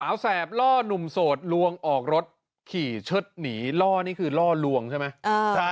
แสบล่อหนุ่มโสดลวงออกรถขี่เชิดหนีล่อนี่คือล่อลวงใช่ไหม